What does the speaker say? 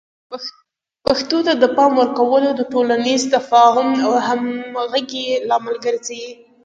پښتو ته د پام ورکول د ټولنیز تفاهم او همغږۍ لامل ګرځي.